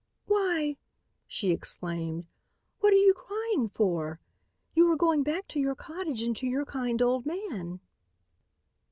"Why!" she exclaimed, "what are you crying for? You are going back to your cottage and to your kind old man."